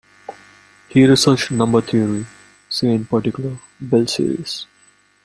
He researched number theory; see in particular Bell series.